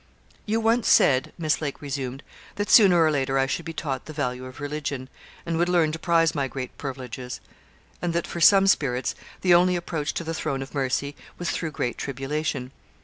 'You once said,' Miss Lake resumed, 'that sooner or later I should be taught the value of religion, and would learn to prize my great privileges; and that for some spirits the only approach to the throne of mercy was through great tribulation.